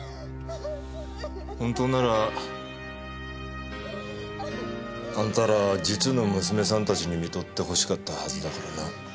本当ならあんたら実の娘さんたちにみとってほしかったはずだからな。